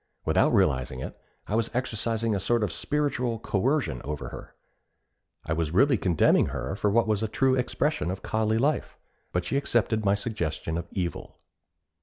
Without realizing it, I was exercising a sort of spiritual coercion over her. I was really condemning her for what was a true expression of collie life; but she accepted my suggestion of evil.